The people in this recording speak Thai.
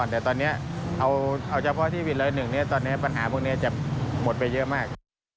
แต่ตอนนี้เอาจริงเพราะว่าวินเรื่อย๑ตอนนี้ปัญหาพวกจะหมดไปเยอะมาก